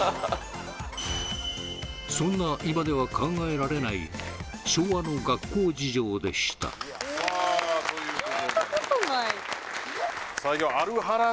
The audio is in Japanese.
そんな今では考えられない昭和の学校事情でしたえっ無理にね